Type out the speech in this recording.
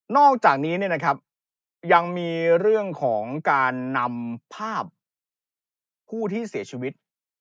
นอกจากนี้เนี่ยนะครับยังมีเรื่องของการนำภาพผู้ที่เสียชีวิต